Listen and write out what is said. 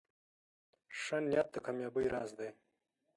ښه نیت د کامیابۍ راز دی.